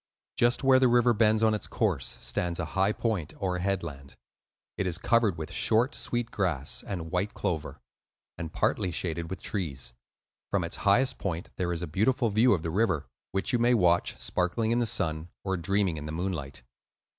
Just where the river bends on its course stands a high point or headland. It is covered with short, sweet grass and white clover, and partly shaded with trees. From its highest point there is a beautiful view of the river, which you may watch sparkling in the sun or dreaming in the moonlight.